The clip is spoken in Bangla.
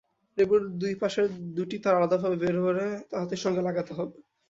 লেবুর দুই পাশের দুটি তার আলাদাভাবে বের করে বাতির সঙ্গে লাগাতে হবে।